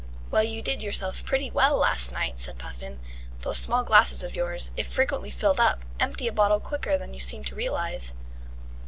"Well, you did yourself pretty well last night," said Puffin. "Those small glasses of yours, if frequently filled up, empty a bottle quicker than you seem to realize."